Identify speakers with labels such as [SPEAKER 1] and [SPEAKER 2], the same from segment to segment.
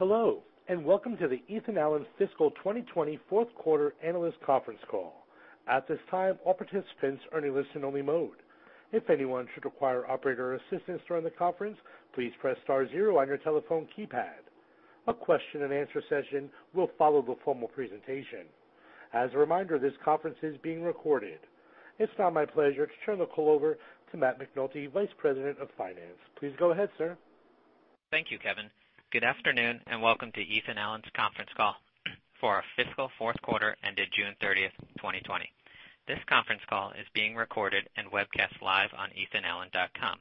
[SPEAKER 1] Hello, welcome to the Ethan Allen Fiscal 2020 Q4 Analyst Conference Call. At this time, all participants are in listen only mode. If anyone should require operator assistance during the conference, please press *0 on your telephone keypad. A question-and-answer session will follow the formal presentation. As a reminder, this conference is being recorded. It's now my pleasure to turn the call over to Matt McNulty, Vice President of Finance. Please go ahead, sir.
[SPEAKER 2] Thank you, Kevin. Good afternoon, and welcome to Ethan Allen's Conference Call for our Fiscal Q4 ended June 30th, 2020. This conference call is being recorded and webcast live on ethanallen.com,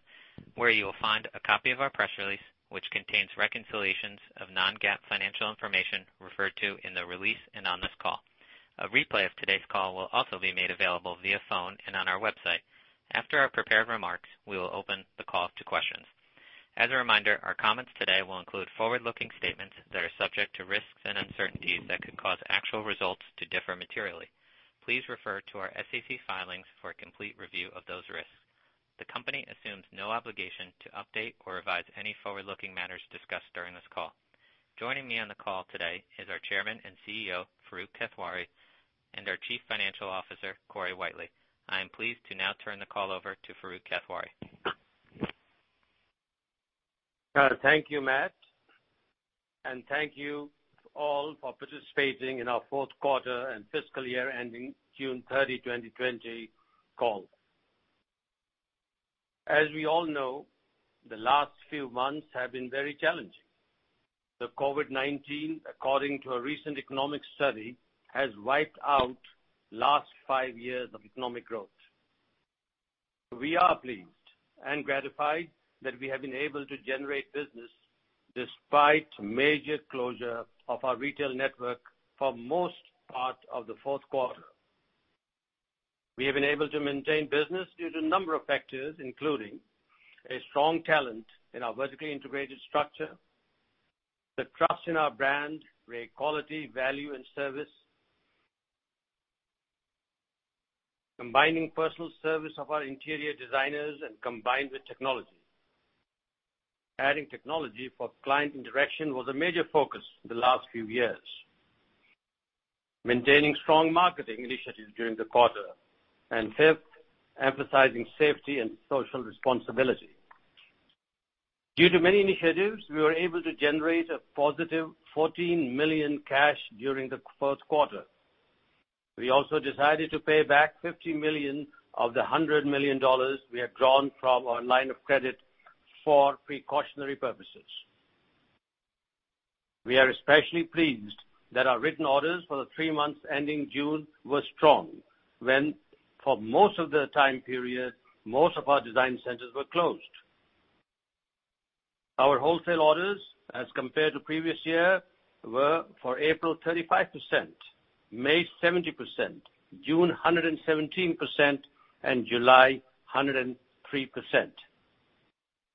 [SPEAKER 2] where you will find a copy of our press release, which contains reconciliations of non-GAAP financial information referred to in the release and on this call. A replay of today's call will also be made available via phone and on our website. After our prepared remarks, we will open the call to questions. As a reminder, our comments today will include forward-looking statements that are subject to risks and uncertainties that could cause actual results to differ materially. Please refer to our SEC filings for a complete review of those risks. The company assumes no obligation to update or revise any forward-looking matters discussed during this call. Joining me on the call today is our Chairman and CEO, Farooq Kathwari, and our Chief Financial Officer, Corey Whitely. I am pleased to now turn the call over to Farooq Kathwari.
[SPEAKER 3] Thank you, Matt, and thank you all for participating in our Q4 and fiscal year ending June 30, 2020 call. As we all know, the last few months have been very challenging. The COVID-19, according to a recent economic study, has wiped out last five years of economic growth. We are pleased and gratified that we have been able to generate business despite major closure of our retail network for most part of the Q4. We have been able to maintain business due to a number of factors, including a strong talent in our vertically integrated structure, the trust in our brand, great quality, value, and service. Combining personal service of our interior designers and combined with technology. Adding technology for client interaction was a major focus the last few years. Maintaining strong marketing initiatives during the quarter, and fifth, emphasizing safety and social responsibility. Due to many initiatives, we were able to generate a positive $14 million cash during the Q4. We also decided to pay back $50 million of the $100 million we had drawn from our line of credit for precautionary purposes. We are especially pleased that our written orders for the three months ending June were strong when, for most of the time period, most of our design centers were closed. Our wholesale orders, as compared to previous year, were for April, 35%, May, 70%, June, 117%, and July, 103%.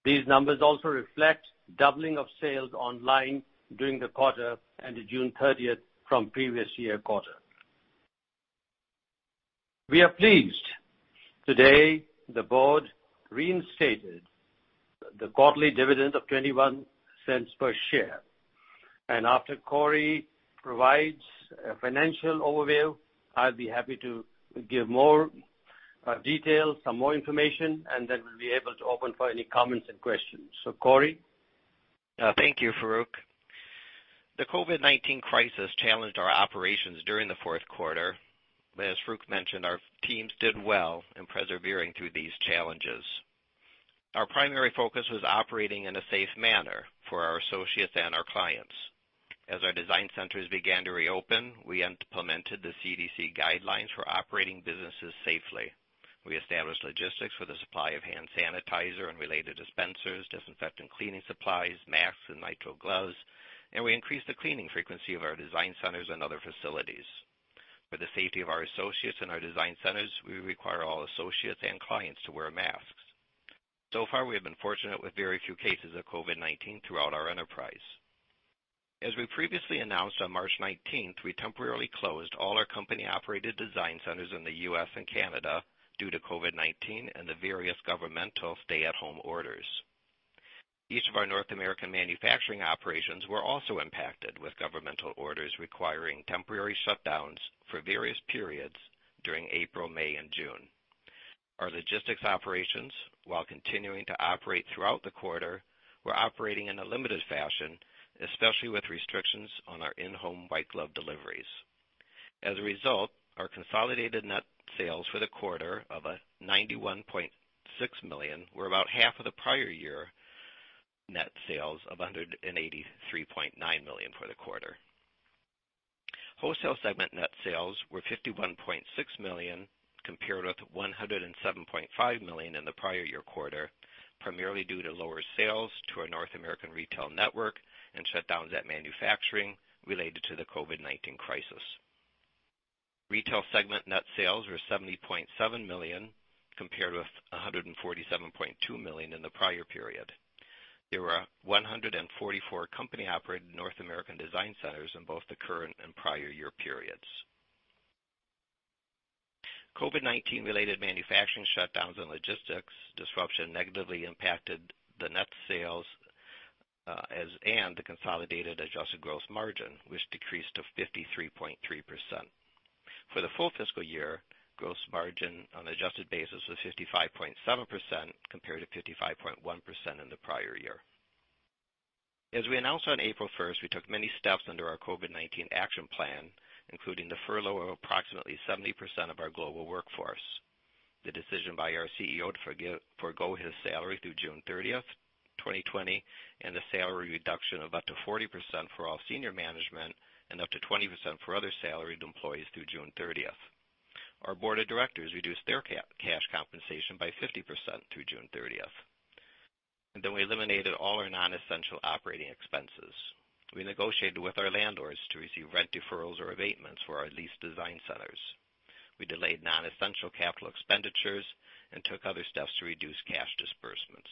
[SPEAKER 3] These numbers also reflect doubling of sales online during the quarter ended June 30th from previous year quarter. We are pleased today the board reinstated the quarterly dividend of $0.21 per share. After Corey provides a financial overview, I'll be happy to give more details, some more information, and then we'll be able to open for any comments and questions. Corey?
[SPEAKER 4] Thank you, Farooq. The COVID-19 crisis challenged our operations during the Q4, but as Farooq mentioned, our teams did well in persevering through these challenges. Our primary focus was operating in a safe manner for our associates and our clients. As our design centers began to reopen, we implemented the CDC guidelines for operating businesses safely. We established logistics for the supply of hand sanitizer and related dispensers, disinfectant cleaning supplies, masks, and nitrile gloves, and we increased the cleaning frequency of our design centers and other facilities. For the safety of our associates in our design centers, we require all associates and clients to wear masks. So far, we have been fortunate with very few cases of COVID-19 throughout our enterprise. As we previously announced on March 19th, we temporarily closed all our company-operated design centers in the U.S. and Canada due to COVID-19 and the various governmental stay-at-home orders. Each of our North American manufacturing operations were also impacted with governmental orders requiring temporary shutdowns for various periods during April, May, and June. Our logistics operations, while continuing to operate throughout the quarter, were operating in a limited fashion, especially with restrictions on our in-home white glove deliveries. As a result, our consolidated net sales for the quarter of $91.6 million were about half of the prior year net sales of $183.9 million for the quarter. Wholesale segment net sales were $51.6 million, compared with $107.5 million in the prior year quarter, primarily due to lower sales to our North American retail network and shutdowns at manufacturing related to the COVID-19 crisis. Retail segment net sales were $70.7 million, compared with $147.2 million in the prior period. There were 144 company-operated North American design centers in both the current and prior year periods. COVID-19 related manufacturing shutdowns and logistics disruption negatively impacted the net sales, and the consolidated adjusted gross margin, which decreased to 53.3%. For the full fiscal year, gross margin on adjusted basis was 55.7%, compared to 55.1% in the prior year. As we announced on April 1st, we took many steps under our COVID-19 action plan, including the furlough of approximately 70% of our global workforce, the decision by our CEO to forgo his salary through June 30th, 2020, and a salary reduction of up to 40% for all senior management and up to 20% for other salaried employees through June 30th. Our board of directors reduced their cash compensation by 50% through June 30th. We eliminated all our non-essential operating expenses. We negotiated with our landlords to receive rent deferrals or abatements for our leased design centers. We delayed non-essential capital expenditures and took other steps to reduce cash disbursements.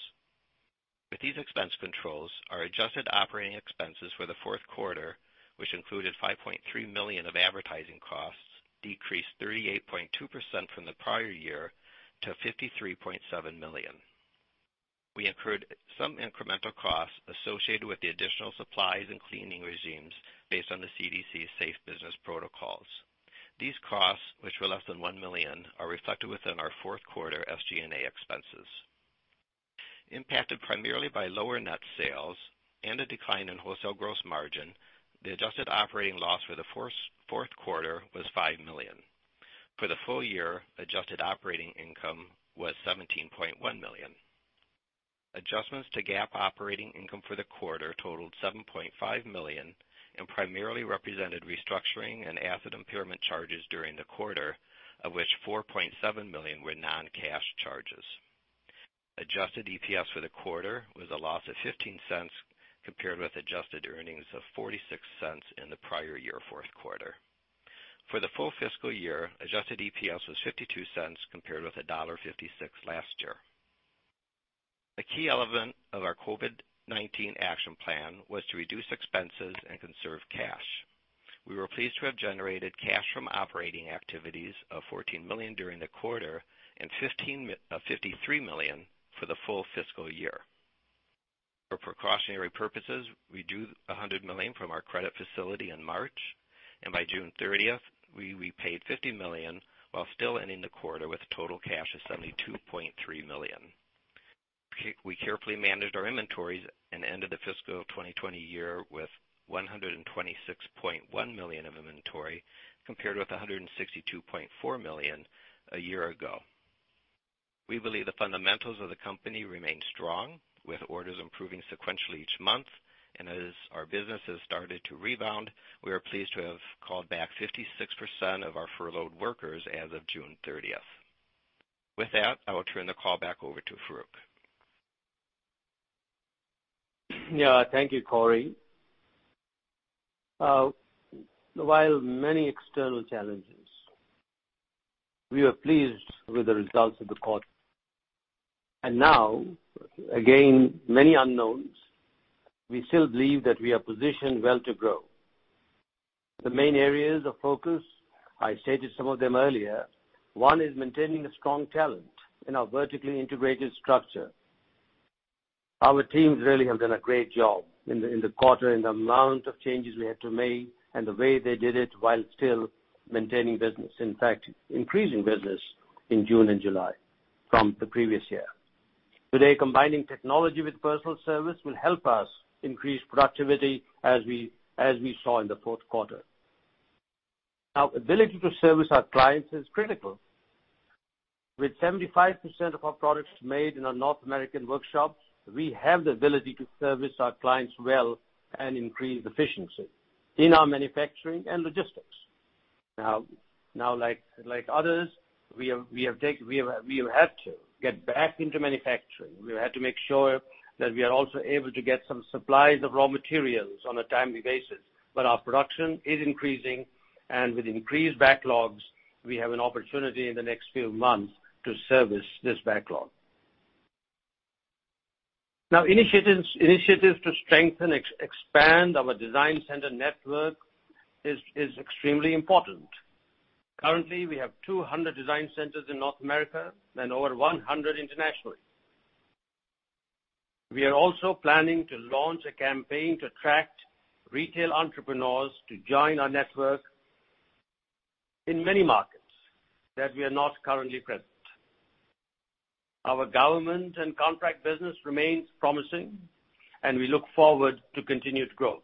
[SPEAKER 4] With these expense controls, our adjusted operating expenses for the Q4, which included $5.3 million of advertising costs, decreased 38.2% from the prior year to $53.7 million. We incurred some incremental costs associated with the additional supplies and cleaning regimes based on the CDC safe business protocols. These costs, which were less than $1 million, are reflected within our Q4 SG&A expenses. Impacted primarily by lower net sales and a decline in wholesale gross margin, the adjusted operating loss for the Q4 was $5 million. For the full year, adjusted operating income was $17.1 million. Adjustments to GAAP operating income for the quarter totaled $7.5 million and primarily represented restructuring and asset impairment charges during the quarter, of which $4.7 million were non-cash charges. Adjusted EPS for the quarter was a loss of $0.15, compared with adjusted earnings of $0.46 in the prior year Q4. For the full fiscal year, adjusted EPS was $0.52, compared with $1.56 last year. A key element of our COVID-19 action plan was to reduce expenses and conserve cash. We were pleased to have generated cash from operating activities of $14 million during the quarter and $53 million for the full fiscal year. For precautionary purposes, we drew $100 million from our credit facility in March, and by June 30th, we repaid $50 million while still ending the quarter with a total cash of $72.3 million. We carefully managed our inventories and ended the fiscal 2020 year with $126.1 million of inventory, compared with $162.4 million a year ago. We believe the fundamentals of the company remain strong, with orders improving sequentially each month. As our business has started to rebound, we are pleased to have called back 56% of our furloughed workers as of June 30th. With that, I will turn the call back over to Farooq.
[SPEAKER 3] Thank you, Corey. While many external challenges, we are pleased with the results of the quarter. Now, again, many unknowns. We still believe that we are positioned well to grow. The main areas of focus, I stated some of them earlier, one is maintaining a strong talent in our vertically integrated structure. Our teams really have done a great job in the quarter in the amount of changes we had to make and the way they did it while still maintaining business, in fact, increasing business in June and July from the previous year. Today, combining technology with personal service will help us increase productivity as we saw in the Q4. Our ability to service our clients is critical. With 75% of our products made in our North American workshops, we have the ability to service our clients well and increase efficiency in our manufacturing and logistics. Now, like others, we have had to get back into manufacturing. We have had to make sure that we are also able to get some supplies of raw materials on a timely basis. Our production is increasing, and with increased backlogs, we have an opportunity in the next few months to service this backlog. Now, initiatives to strengthen, expand our design center network is extremely important. Currently, we have 200 design centers in North America and over 100 internationally. We are also planning to launch a campaign to attract retail entrepreneurs to join our network in many markets that we are not currently present. Our government and contract business remains promising, and we look forward to continued growth.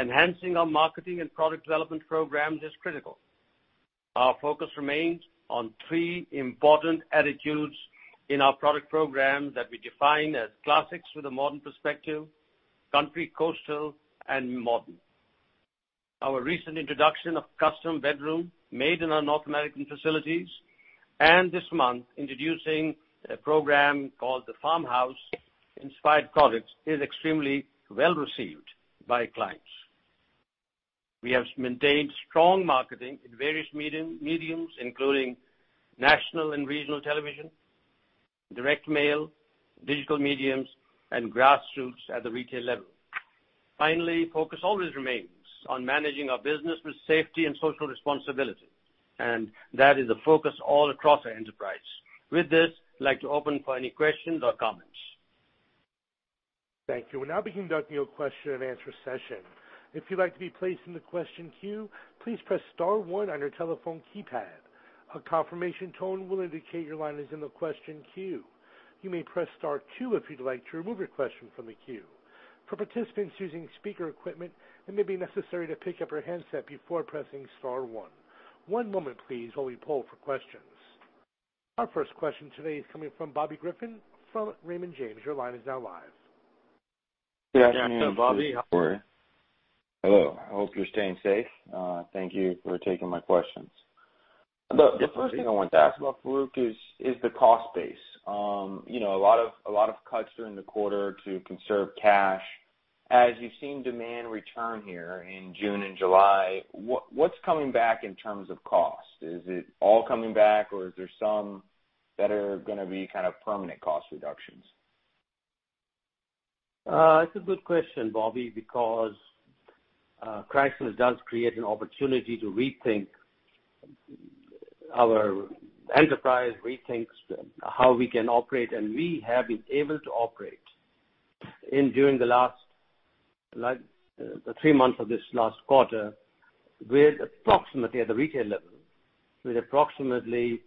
[SPEAKER 3] Enhancing our marketing and product development programs is critical. Our focus remains on three important attitudes in our product program that we define as classics with a modern perspective, country coastal, and modern. Our recent introduction of custom bedroom made in our North American facilities, and this month, introducing a program called The Farmhouse Inspired Products, is extremely well-received by clients. We have maintained strong marketing in various mediums, including national and regional television, direct mail, digital mediums, and grassroots at the retail level. Finally, focus always remains on managing our business with safety and social responsibility, and that is a focus all across our enterprise. With this, I'd like to open for any questions or comments.
[SPEAKER 1] Thank you. We'll now be conducting a question-and-answer session. If you'd like to be placed in the question queue, please press *1 on your telephone keypad. A confirmation tone will indicate your line is in the question queue. You may press *2 if you'd like to remove your question from the queue. For participants using speaker equipment, it may be necessary to pick up your handset before pressing *1. One moment please while we poll for questions. Our first question today is coming from Bobby Griffin from Raymond James. Your line is now live.
[SPEAKER 3] Good afternoon, Bobby. How are you?
[SPEAKER 5] Hello. I hope you're staying safe. Thank you for taking my questions. The first thing I wanted to ask about, Farooq, is the cost base. A lot of cuts during the quarter to conserve cash. As you've seen demand return here in June and July, what's coming back in terms of cost? Is it all coming back, or is there some that are gonna be kind of permanent cost reductions?
[SPEAKER 3] It's a good question, Bobby, because crisis does create an opportunity to rethink. Our enterprise rethinks how we can operate, and we have been able to operate, during the three months of this last quarter, with approximately, at the retail level, with approximately,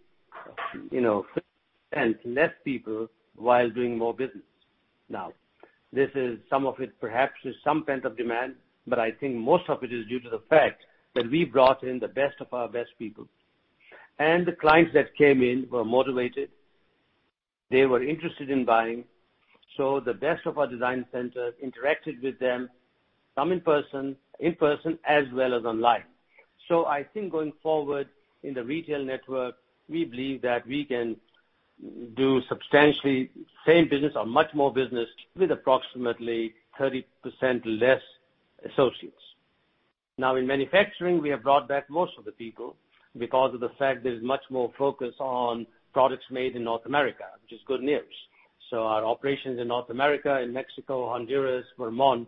[SPEAKER 3] 50% less people while doing more business. Now, some of it perhaps is some pent-up demand, but I think most of it is due to the fact that we brought in the best of our best people. The clients that came in were motivated. They were interested in buying. The best of our design centers interacted with them, some in person, as well as online. I think going forward in the retail network, we believe that we can do substantially the same business or much more business with approximately 30% less associates. In manufacturing, we have brought back most of the people because of the fact there's much more focus on products made in North America, which is good news. Our operations in North America, in Mexico, Honduras, Vermont,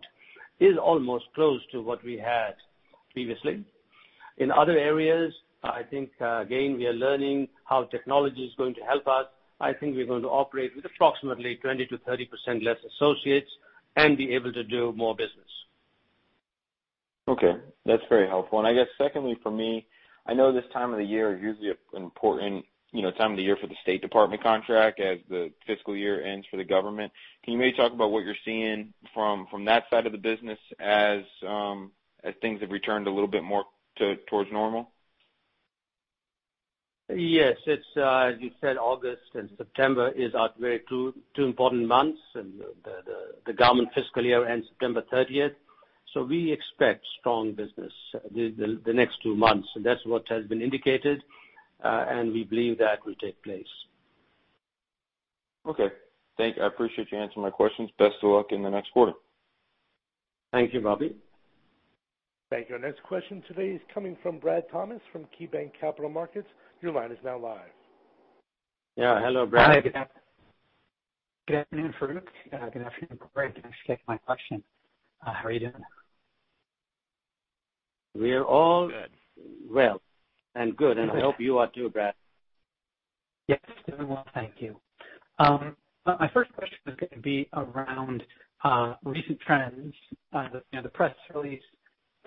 [SPEAKER 3] is almost close to what we had previously. In other areas, I think, again, we are learning how technology is going to help us. I think we're going to operate with approximately 20%-30% less associates and be able to do more business.
[SPEAKER 5] Okay. That's very helpful. I guess secondly, for me, I know this time of the year is usually an important time of the year for the State Department contract as the fiscal year ends for the government. Can you maybe talk about what you're seeing from that side of the business as things have returned a little bit more towards normal?
[SPEAKER 3] Yes. As you said, August and September are two very important months. The government fiscal year ends September 30th. We expect strong business the next two months. That's what has been indicated. We believe that will take place.
[SPEAKER 5] Okay. Thank you. I appreciate you answering my questions. Best of luck in the next quarter.
[SPEAKER 3] Thank you, Bobby.
[SPEAKER 1] Thank you. Our next question today is coming from Brad Thomas from KeyBanc Capital Markets. Your line is now live.
[SPEAKER 3] Yeah. Hello, Brad.
[SPEAKER 6] Hi. Good afternoon. Good afternoon, Farooq. Good afternoon, Brad. Thanks for taking my question. How are you doing?
[SPEAKER 3] We are all well and good, and I hope you are, too, Brad.
[SPEAKER 6] Yes, doing well, thank you. My first question is going to be around recent trends. The press release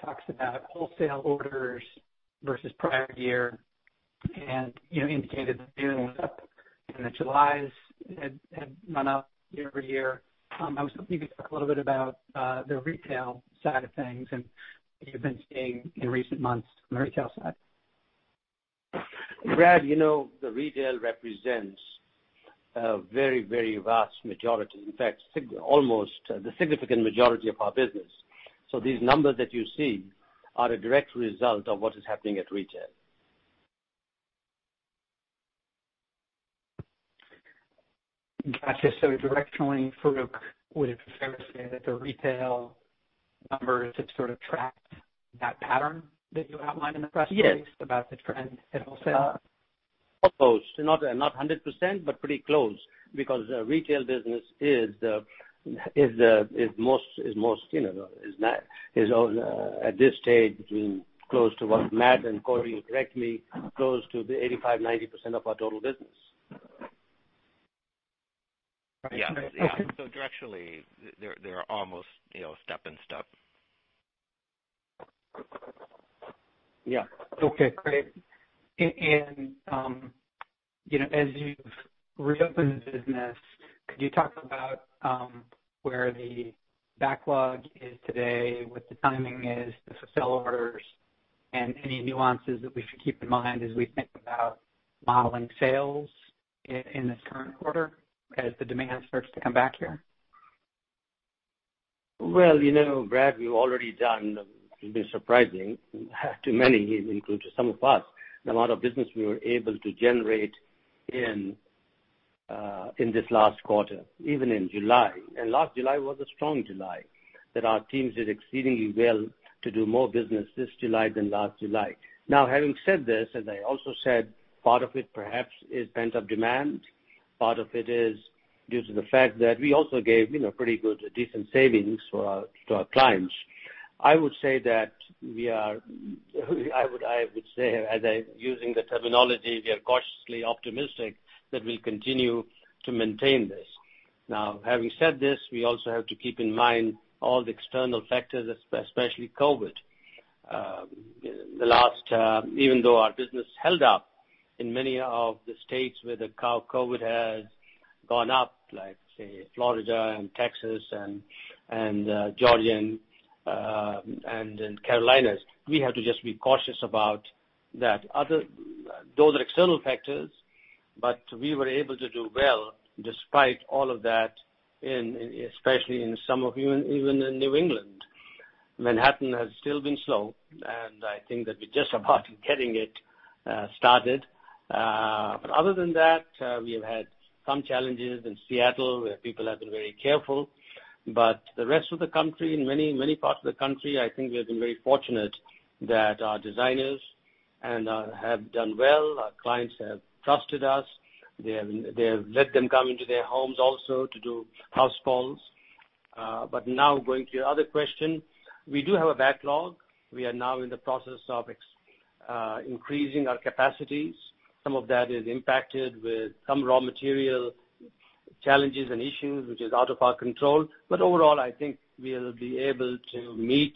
[SPEAKER 6] talks about wholesale orders versus prior year and indicated that June was up and that July had gone up year-over-year. I was hoping you could talk a little bit about the retail side of things and what you've been seeing in recent months on the retail side.
[SPEAKER 3] Brad, the retail represents a very, very vast majority. In fact, almost the significant majority of our business. These numbers that you see are a direct result of what is happening at retail.
[SPEAKER 6] Gotcha. Directionally, Farooq, would it be fair to say that the retail numbers have sort of tracked that pattern that you outlined in the press release?
[SPEAKER 3] Yes
[SPEAKER 6] About the trend at wholesale?
[SPEAKER 3] Close. Not 100%, pretty close because the retail business is at this stage, close to what Matt and Corey correctly, close to the 85%, 90% of our total business.
[SPEAKER 4] Yeah. Directionally, they are almost step and step.
[SPEAKER 3] Yeah.
[SPEAKER 6] Okay, great. As you've reopened the business, could you talk about where the backlog is today, what the timing is, the sell orders, and any nuances that we should keep in mind as we think about modeling sales in this current quarter as the demand starts to come back here?
[SPEAKER 3] Well, Brad, we've already done, it's been surprising to many, including some of us, the amount of business we were able to generate in this last quarter, even in July. Last July was a strong July, that our teams did exceedingly well to do more business this July than last July. Having said this, as I also said, part of it perhaps is pent-up demand. Part of it is due to the fact that we also gave pretty good, decent savings to our clients. I would say that we are, using the terminology, we are cautiously optimistic that we'll continue to maintain this. Having said this, we also have to keep in mind all the external factors, especially COVID. Even though our business held up in many of the states where the COVID has gone up, like, say, Florida and Texas and Georgia and Carolinas, we have to just be cautious about that. Those are external factors, we were able to do well despite all of that, especially even in New England. Manhattan has still been slow, and I think that we're just about getting it started. Other than that, we have had some challenges in Seattle, where people have been very careful. The rest of the country, in many parts of the country, I think we have been very fortunate that our designers have done well. Our clients have trusted us. They have let them come into their homes also to do house calls. Now going to your other question, we do have a backlog. We are now in the process of increasing our capacities. Some of that is impacted with some raw material challenges and issues, which is out of our control. Overall, I think we'll be able to meet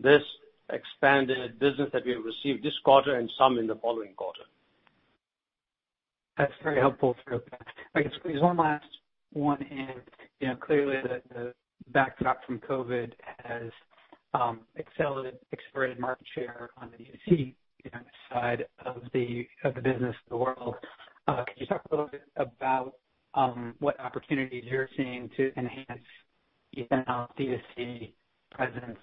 [SPEAKER 3] this expanded business that we have received this quarter and some in the following quarter.
[SPEAKER 6] That's very helpful, Farooq. If I could squeeze one last one in. Clearly, the backdrop from COVID has accelerated market share on the DTC side of the business of the world. Could you talk a little bit about what opportunities you're seeing to enhance Ethan Allen's DTC presence,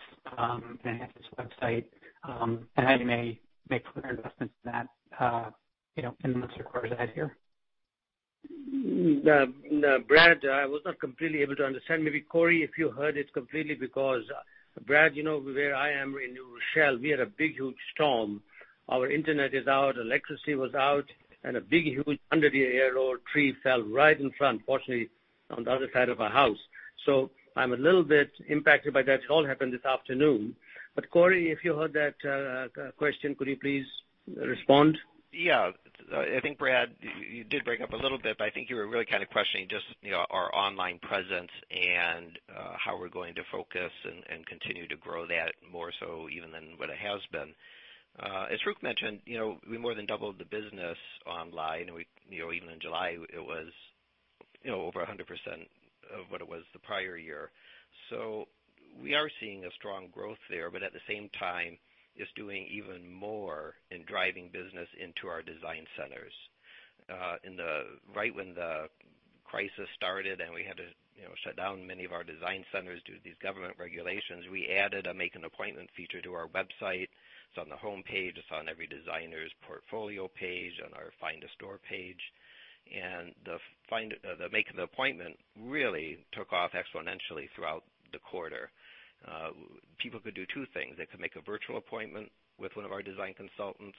[SPEAKER 6] enhance its website, and how you may make further investments in that in the months or quarters ahead here?
[SPEAKER 3] Brad, I was not completely able to understand. Maybe Corey, if you heard it completely, because Brad, you know where I am in New Rochelle, we had a big, huge storm. Our internet is out, electricity was out, and a big, huge 100-year-old tree fell right in front, fortunately, on the other side of our house. I'm a little bit impacted by that. It all happened this afternoon. Corey, if you heard that question, could you please respond?
[SPEAKER 4] Yeah. I think, Brad, you did break up a little bit, but I think you were really questioning just our online presence and how we're going to focus and continue to grow that more so even than what it has been. As Farooq mentioned, we more than doubled the business online. Even in July, it was over 100% of what it was the prior year. We are seeing a strong growth there, but at the same time, it's doing even more in driving business into our design centers. Right when the crisis started and we had to shut down many of our design centers due to these government regulations, we added a make-an-appointment feature to our website. It's on the homepage, it's on every designer's portfolio page, on our find-a-store page. The make-an-appointment really took off exponentially throughout the quarter. People could do two things. They could make a virtual appointment with one of our design consultants,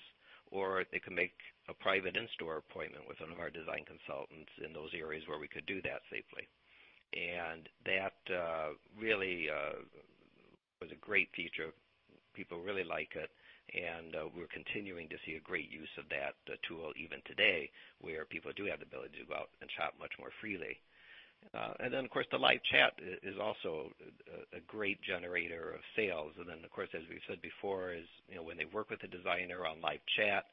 [SPEAKER 4] or they could make a private in-store appointment with one of our design consultants in those areas where we could do that safely. That really was a great feature. People really like it, and we're continuing to see a great use of that tool even today, where people do have the ability to go out and shop much more freely. Of course, the live chat is also a great generator of sales. Of course, as we've said before, when they work with a designer on live chat,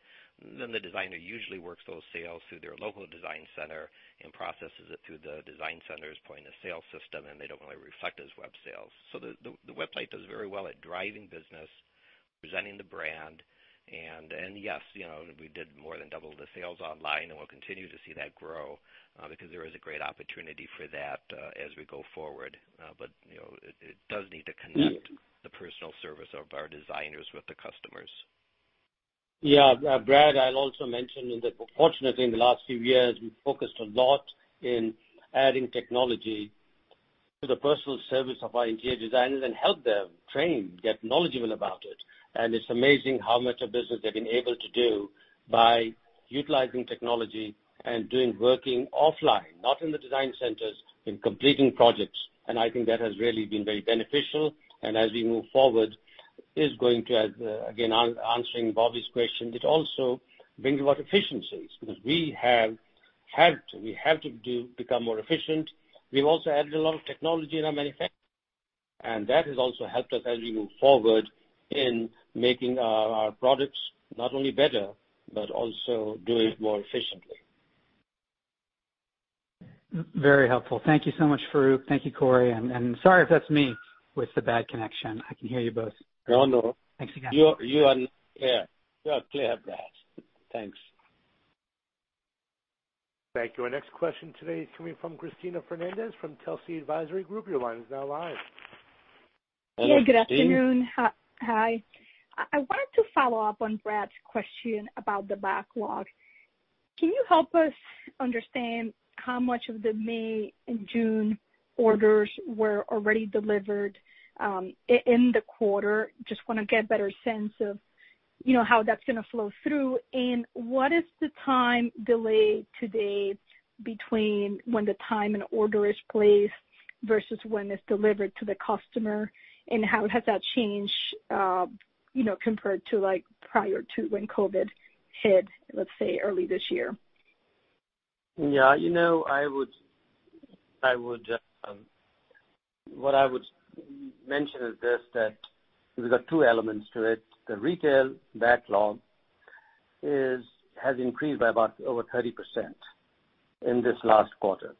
[SPEAKER 4] then the designer usually works those sales through their local design center and processes it through the design center's point-of-sale system, and they don't really reflect as web sales. The website does very well at driving business, presenting the brand. Yes, we did more than double the sales online, and we'll continue to see that grow because there is a great opportunity for that as we go forward. It does need to connect the personal service of our designers with the customers.
[SPEAKER 3] Yeah. Brad, I'll also mention that fortunately, in the last few years, we've focused a lot in adding technology to the personal service of our interior designers and help them train, get knowledgeable about it. It's amazing how much of business they've been able to do by utilizing technology and doing working offline, not in the design centers, in completing projects. I think that has really been very beneficial, and as we move forward, is going to, again, answering Bobby's question, it also brings about efficiencies because we have had to become more efficient. We've also added a lot of technology in our manufacturing, that has also helped us as we move forward in making our products not only better, but also doing it more efficiently.
[SPEAKER 6] Very helpful. Thank you so much, Farooq. Thank you, Corey. Sorry if that's me with the bad connection. I can hear you both.
[SPEAKER 3] Oh, no.
[SPEAKER 6] Thanks again.
[SPEAKER 3] You are clear, Brad.
[SPEAKER 1] Thank you. Our next question today is coming from Cristina Fernández from Telsey Advisory Group. Your line is now live.
[SPEAKER 7] Yeah, good afternoon. Hi. I wanted to follow up on Brad's question about the backlog. Can you help us understand how much of the May and June orders were already delivered in the quarter? Just want to get a better sense of how that's going to flow through. What is the time delay today between when the time an order is placed versus when it's delivered to the customer? How has that changed compared to prior to when COVID hit, let's say, early this year?
[SPEAKER 3] What I would mention is this, that we've got two elements to it. The retail backlog has increased by about over 30% in this last quarter,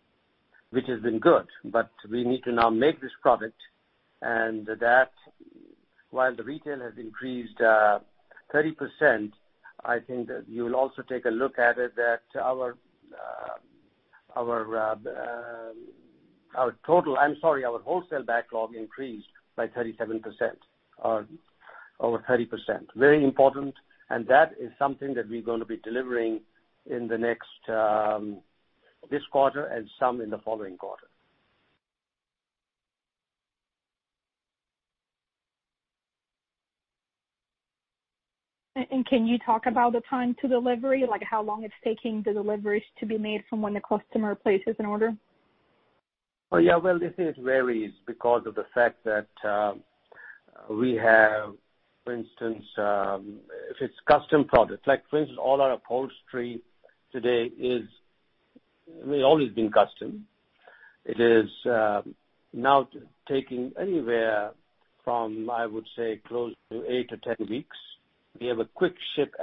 [SPEAKER 3] which has been good, but we need to now make this product. While the retail has increased 30%, I think that you'll also take a look at it, that our wholesale backlog increased by 37%, or over 30%. Very important. That is something that we're going to be delivering this quarter and some in the following quarter.
[SPEAKER 7] Can you talk about the time to delivery, like how long it's taking the deliveries to be made from when the customer places an order?
[SPEAKER 3] Well, it varies because of the fact that we have, for instance, if it's custom products, like for instance, all our upholstery today, always been custom. It is now taking anywhere from, I would say, close to eight to 10 weeks. We have a quick ship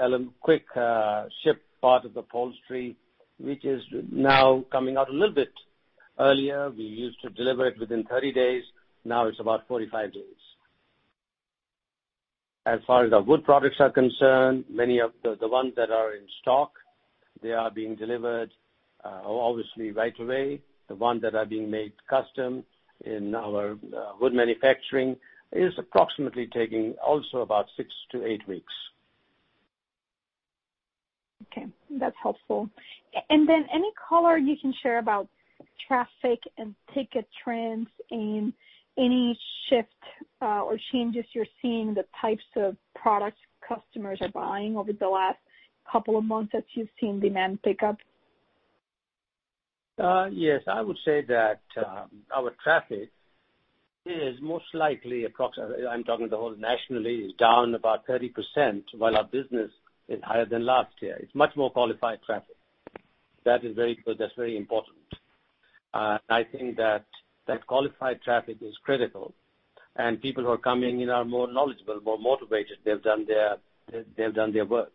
[SPEAKER 3] part of upholstery, which is now coming out a little bit earlier. We used to deliver it within 30 days, now it's about 45 days. As far as our wood products are concerned, many of the ones that are in stock, they are being delivered, obviously, right away. The ones that are being made custom in our wood manufacturing is approximately taking also about six to eight weeks.
[SPEAKER 7] Okay. That's helpful. Then any color you can share about traffic and ticket trends and any shift or changes you're seeing, the types of products customers are buying over the last couple of months that you've seen demand pick up?
[SPEAKER 3] Yes. I would say that our traffic is most likely I'm talking the whole nationally, is down about 30%, while our business is higher than last year. It's much more qualified traffic. That is very good. That's very important. I think that qualified traffic is critical, and people who are coming in are more knowledgeable, more motivated. They've done their work.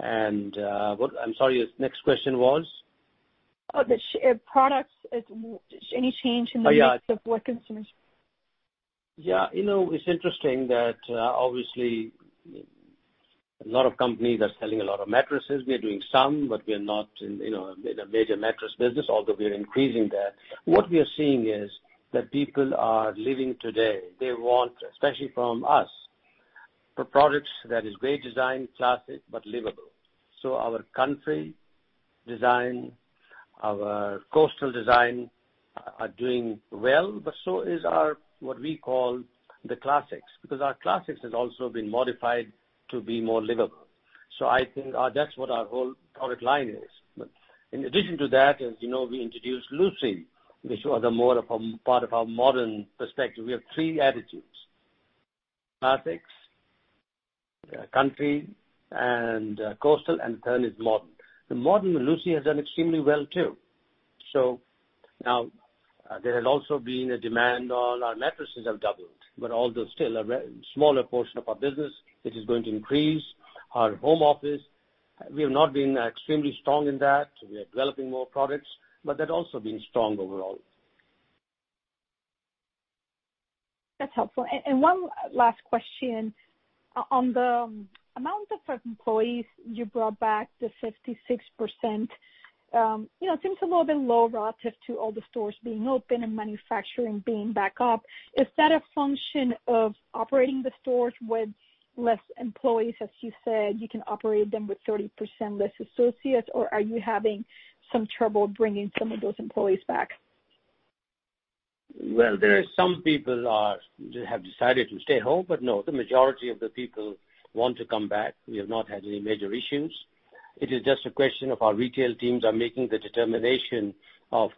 [SPEAKER 3] I'm sorry, next question was?
[SPEAKER 7] Oh, the products. Any change in the mix?
[SPEAKER 3] Oh, yeah.
[SPEAKER 7] Of what consumers-
[SPEAKER 3] Yeah. It's interesting that obviously a lot of companies are selling a lot of mattresses. We are doing some, but we are not in a major mattress business, although we are increasing that. What we are seeing is that people are living today. They want, especially from us, products that is great design, classic, but livable. Our country design, our coastal design are doing well, but so is our what we call the classics, because our classics has also been modified to be more livable. I think that's what our whole product line is. In addition to that, as you know, we introduced Lucy, which was a more of a part of our modern perspective. We have three attitudes, classics, country, and coastal, and third is modern. The modern Lucy has done extremely well, too. Now, there has also been a demand. All our mattresses have doubled. Although still a very smaller portion of our business, this is going to increase. Our home office, we have not been extremely strong in that. We are developing more products. That has also been strong overall.
[SPEAKER 7] That's helpful. One last question. On the amount of employees you brought back, the 56%, seems a little bit low relative to all the stores being open and manufacturing being back up. Is that a function of operating the stores with less employees, as you said, you can operate them with 30% less associates, or are you having some trouble bringing some of those employees back?
[SPEAKER 3] Well, some people have decided to stay home, but no, the majority of the people want to come back. We have not had any major issues. It is just a question of our retail teams are making the determination of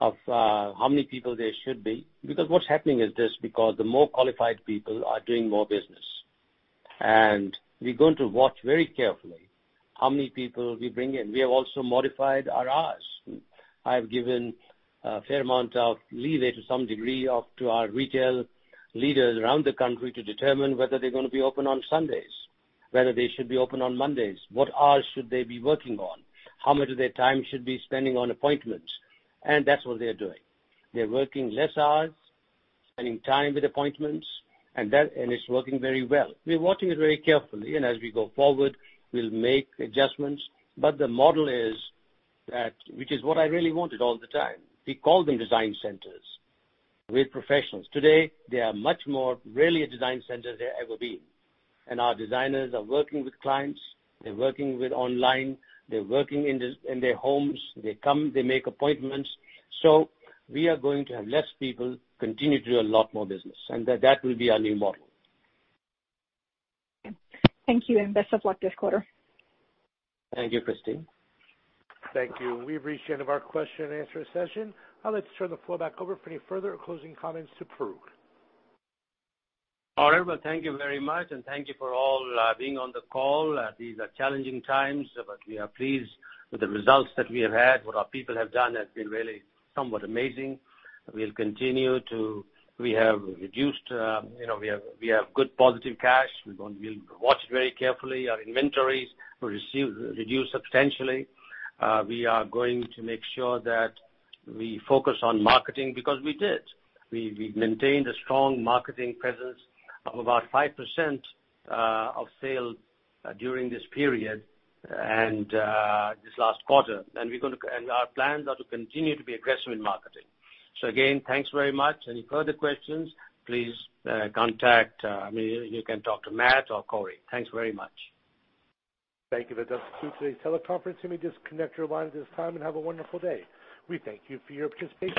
[SPEAKER 3] how many people there should be. What's happening is this, because the more qualified people are doing more business. We're going to watch very carefully how many people we bring in. We have also modified our hours. I've given a fair amount of leeway to some degree to our retail leaders around the country to determine whether they're going to be open on Sundays, whether they should be open on Mondays, what hours should they be working on, how much of their time should be spending on appointments. That's what they are doing. They're working less hours, spending time with appointments, and it's working very well. We're watching it very carefully, and as we go forward, we'll make adjustments. The model, which is what I really wanted all the time, we call them design centers with professionals. Today, they are much more rarely a design center than they've ever been. Our designers are working with clients, they're working with online, they're working in their homes. They come, they make appointments. We are going to have less people continue to do a lot more business, and that will be our new model.
[SPEAKER 7] Thank you, and best of luck this quarter.
[SPEAKER 3] Thank you, Cristina.
[SPEAKER 1] Thank you. We've reached the end of our question-and-answer session. Let's turn the floor back over for any further closing comments to Farooq.
[SPEAKER 3] All right. Well, thank you very much, and thank you for all being on the call. These are challenging times. We are pleased with the results that we have had. What our people have done has been really somewhat amazing. We have good positive cash. We'll watch it very carefully. Our inventories we reduced substantially. We are going to make sure that we focus on marketing, because we did. We maintained a strong marketing presence of about 5% of sale during this period and this last quarter. Our plans are to continue to be aggressive in marketing. Again, thanks very much. Any further questions, please contact me. You can talk to Matt or Corey. Thanks very much.
[SPEAKER 1] Thank you. That does conclude today's teleconference. You may disconnect your line at this time, and have a wonderful day. We thank you for your participation.